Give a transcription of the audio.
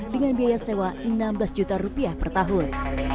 dengan biaya sewa enam belas juta rupiah per tahun